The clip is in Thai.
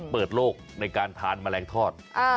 เปิดโลกในการทานแมลงทอด